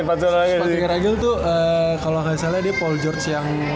sepatunya ragil tuh kalau gak salah dia paul george yang